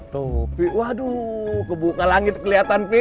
tuh pi waduh kebuka langit keliatan pi